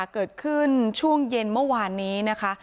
เกิดขึ้นช่วงเย็นเมื่อวานนี้นะคะ